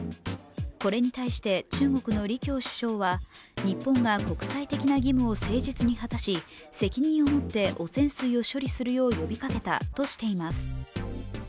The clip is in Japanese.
これに対して、中国の李強首相は日本が国際的な義務を誠実に果たし責任を持って汚染水を処理するよう呼びかけたとしています。